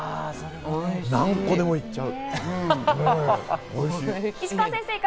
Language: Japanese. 何個でも行っちゃう！